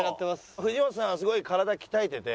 藤本さんがすごい体鍛えてて。